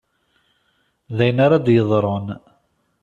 D ayen ara d-yeḍrun.